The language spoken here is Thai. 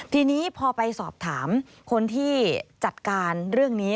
ทีนี้พอไปสอบถามคนที่จัดการเรื่องนี้